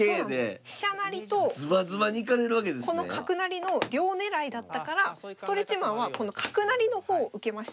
飛車成りとこの角成りの両狙いだったからストレッチマンはこの角成りの方を受けました。